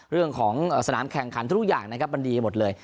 เรื่องของสนามแข่งขันทุกอย่างนะครับมันดีหมดเลย